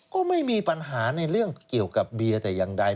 ก็ไม่มีปัญหาในเรื่องเกี่ยวกับเบียร์แต่อย่างใด